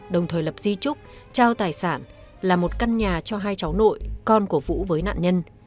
đồng thời lập di chúc trao tài sản là một căn nhà cho hai cháu nội con của vũ với nạn nhân